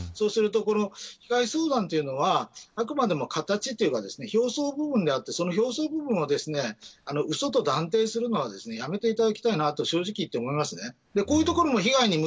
被害相談というのは、あくまでも形というのは表層部分であってその表層部分を、うそと断定するのはやめていただきたいなと正直、思います。